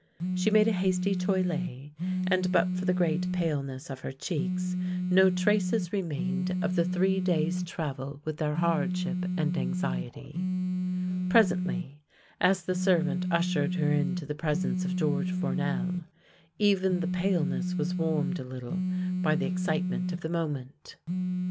She made a hasty toilet, and but for the great paleness of her cheeks, no traces remained of the three days' travel with their hardship and anxiety. Pres ently, as the servant ushered her into the presence of George Fournel, even the paleness was warmed a little by the excitement of the moment.